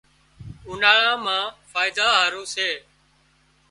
اُوناۯا مان فائيدا هارو سي